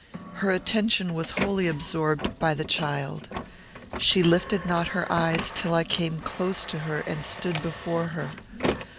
Her attention was wholly absorbed by the child. She lifted not her eyes till I came close to her and stood before her.